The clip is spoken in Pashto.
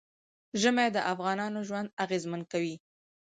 ژمی د افغانانو ژوند اغېزمن کوي.